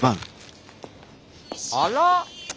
あら。